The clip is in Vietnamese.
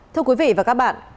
thưa quý vị và các bạn